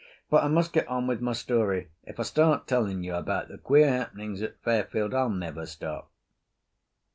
But I must get on with my story; if I start telling you about the queer happenings at Fairfield I'll never stop.